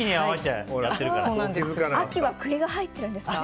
秋は栗が入ってるんですか。